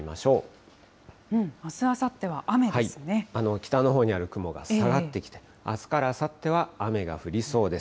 北のほうにある雲が下がってきて、あすからあさっては雨が降りそうです。